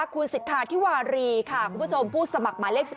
คุณสิทธาธิวารีค่ะ